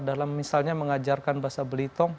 dalam misalnya mengajarkan bahasa belitong